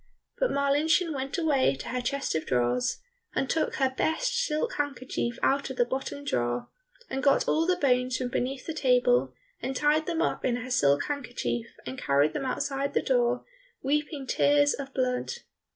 But Marlinchen went away to her chest of drawers, and took her best silk handkerchief out of the bottom drawer, and got all the bones from beneath the table, and tied them up in her silk handkerchief, and carried them outside the door, weeping tears of blood.